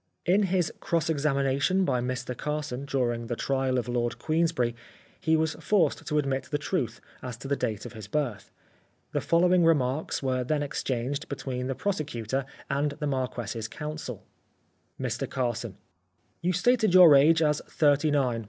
In his cross examination by Mr Carson during the trial of Lord Queensberry he was forced to admit the truth as to the date of his birth. The following remarks were then exchanged between the prosecutor and the Marquess's counsel :*' Mr Carson :* You stated your age as thirty nine.